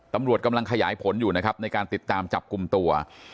ตำรวจกำลังขยายผลอยู่นะครับในการติดตามจับกลุ่มตัว